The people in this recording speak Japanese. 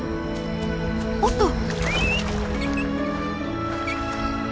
「おっと」。